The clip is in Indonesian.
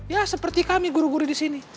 ya seperti kami guru guru di sini